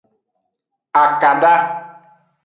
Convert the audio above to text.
Akada.